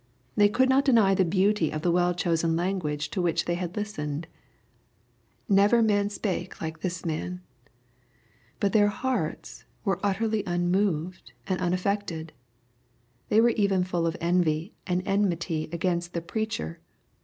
They could not deny the beauty of the well chosen lan guage to which they had listened. " Never man spake like this man." But their hearts were utterly unmoved and unaffected. They were even full of envy and enmity against the Preacher.